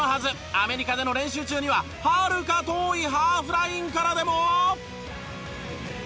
アメリカでの練習中にははるか遠いハーフラインからでも。